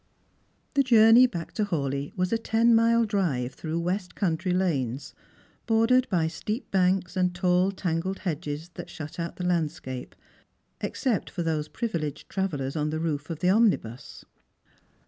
The journey back to Hawleigh was a ten mile drive through west country lanes, bordered by steep banks and tall tangled hedges that shut out the landscape, except for those privileged travellers on the roof of the omnibus.